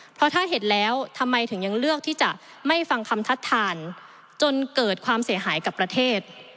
เพราะถ้าเห็นแล้วทำไมถึงยังเลือกที่จะไม่ฟังคำทัดทานจนเกิดความเสียหายกับประเทศ